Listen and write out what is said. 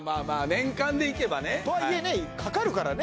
年間でいけばねとはいえねかかるからね